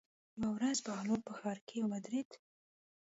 یوه ورځ بهلول په ښار کې ودرېد.